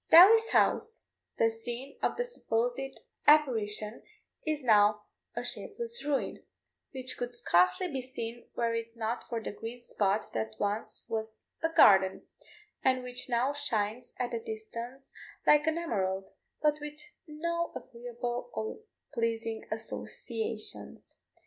Daly's house, the scene of the supposed apparition, is now a shapeless ruin, which could scarcely be seen were it not for the green spot that once was a garden, and which now shines at a distance like an emerald, but with no agreeable or pleasing associations.